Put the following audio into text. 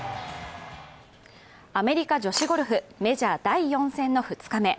アメリカ女子ゴルフ、メジャー第４戦の２日目。